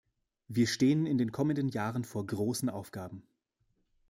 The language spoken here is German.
Wir stehen in den kommenden Jahren vor großen Aufgaben.